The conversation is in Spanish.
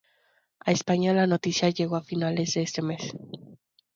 A España la noticia llegó a finales de ese mes.